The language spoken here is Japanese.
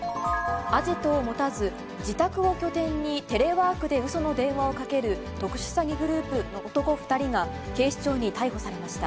アジトを持たず、自宅を拠点にテレワークでうその電話をかける特殊詐欺グループの男２人が、警視庁に逮捕されました。